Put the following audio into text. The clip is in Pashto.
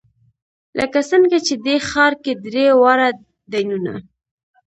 لکه څنګه چې دې ښار کې درې واړه دینونه.